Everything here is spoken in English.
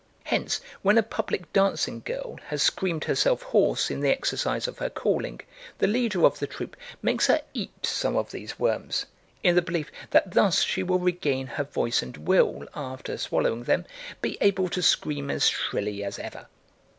Hence when a public dancing girl has screamed herself hoarse in the exercise of her calling, the leader of the troop makes her eat some of these worms, in the belief that thus she will regain her voice and will, after swallowing them, be able to scream as shrilly as ever.